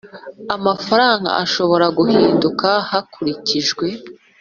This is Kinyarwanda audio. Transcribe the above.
Amafaranga ushobora guhinduka hakurikijwe